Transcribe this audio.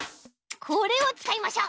これをつかいましょう。